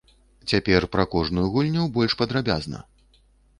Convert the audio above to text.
Цяпер пра кожную гульню больш падрабязна.